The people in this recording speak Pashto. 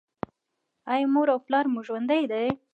ایا مور او پلار مو ژوندي دي؟